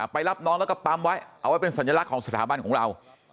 รับน้องแล้วก็ปั๊มไว้เอาไว้เป็นสัญลักษณ์ของสถาบันของเรา